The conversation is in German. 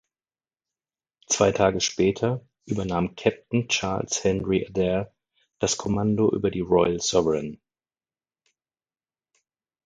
Zwei Tage später übernahm Captain Charles Henry Adair das Kommando über die "Royal Sovereign".